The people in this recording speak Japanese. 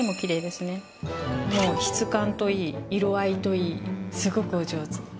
質感といい色合いといいすごくお上手。